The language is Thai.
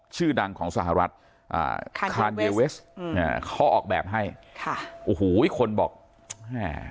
ชื่อดังของสหรัฐอ่าคอออกแบบให้ค่ะโอ้โหอีกคนบอกอ่า